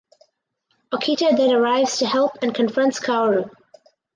Okita then arrives to help and confronts Kaoru.